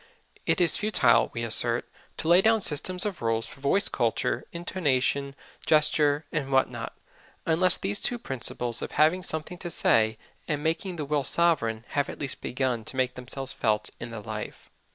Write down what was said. It is futile, we assert, to lay down systems of rules for voice culture, intonation, gesture, and what not, unless these two principles of having something to say and making the will sovereign have at least begun to make themselves felt in the life.